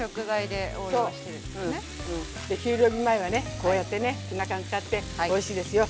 で給料日前はねこうやってねツナ缶使っておいしいですよ。